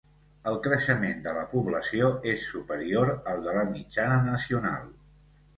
El creixement de la població és superior al de la mitjana nacional.